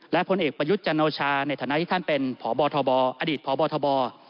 และผลเอกประยุทธ์จันโอชาในฐานะที่ท่านเป็นพบทบอดีตพบทบ